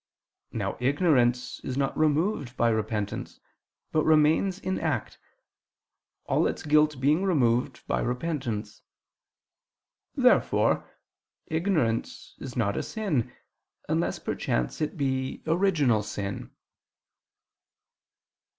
Now ignorance is not removed by repentance, but remains in act, all its guilt being removed by repentance. Therefore ignorance is not a sin, unless perchance it be original sin.